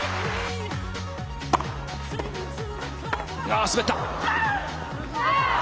ああ、滑った。